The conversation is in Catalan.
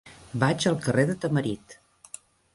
Vaig al carrer de Tamarit.